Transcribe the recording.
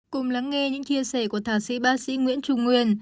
cùng lắng nghe những chia sẻ của thạc sĩ ba sĩ nguyễn trung nguyên